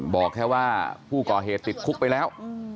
บอกแค่ว่าผู้ก่อเหตุติดคุกไปแล้ว